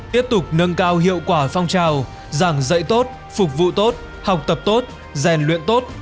tiếp tục nâng cao hiệu quả phong trào giảng dạy tốt phục vụ tốt học tập tốt rèn luyện tốt